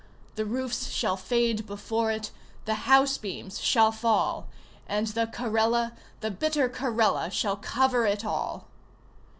The roofs shall fade before it, The house beams shall fall, And the Karela, the bitter Karela, Shall cover it all!